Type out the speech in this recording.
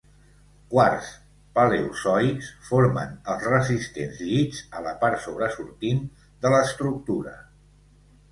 Quars Paleozoics formen els resistents llits a la part sobresortint de l'estructura.